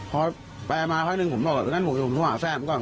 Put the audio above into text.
พอแปลมาครั้งหนึ่งผมบอกว่าอย่างนั้นผมต้องหาแฟน